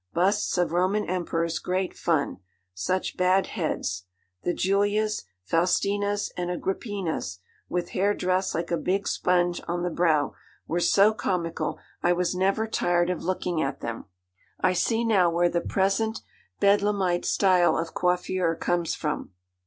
Busts of Roman emperors great fun. Such bad heads! The Julias, Faustinas, and Agrippinas, with hair dressed like a big sponge on the brow, were so comical I was never tired of looking at them. I see now where the present bedlamite style of coiffure comes from.